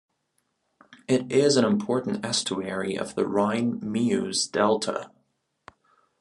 It is an important estuary of the Rhine-Meuse delta.